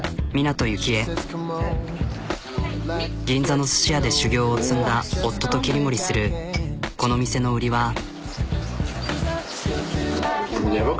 銀座のすし屋で修業を積んだ夫と切り盛りするこの店の売りは。